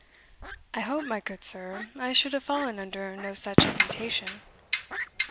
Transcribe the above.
"I hope, my good sir, I should have fallen under no such imputation."